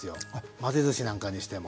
混ぜずしなんかにしても。